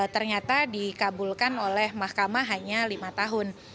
ternyata dikabulkan oleh mahkamah hanya lima tahun